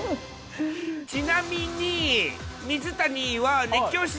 ちなみに、僕。